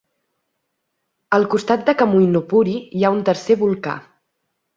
Al costat de Kamuinupuri hi ha un tercer volcà.